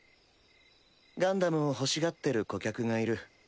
ガンダムを欲しがってる顧客がいる。